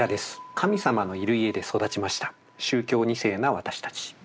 「『神様』のいる家で育ちました宗教２世な私たち」。